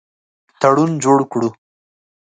تړون جوړ کړو.